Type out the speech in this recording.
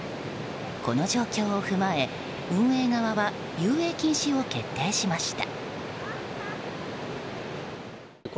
この状況を踏まえ運営側は遊泳禁止を決定しました。